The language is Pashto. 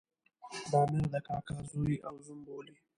د امیر د کاکا زوی او زوم بولي.